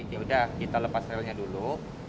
yaudah kita lepas relnya dulu